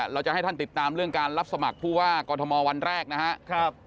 เราจะให้ท่านติดตามเรื่องการรับสมัครผู้ว่ากอทมวันแรกนะครับ